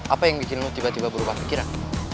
apa yang bikin lo tiba tiba berubah pikiran